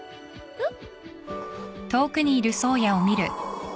えっ。